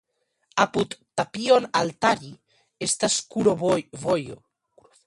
Apud "Tapion alttari" estas kurovojo.